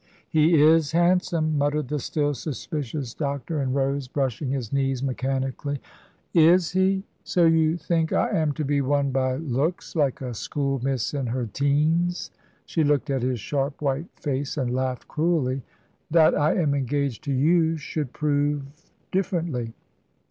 "He is handsome," muttered the still suspicious doctor, and rose, brushing his knees mechanically. "Is he? So you think I am to be won by looks, like a schoolmiss in her teens"; she looked at his sharp white face, and laughed cruelly. "That I am engaged to you should prove differently."